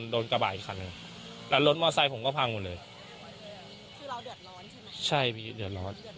เดือดร้อนยังไงอะ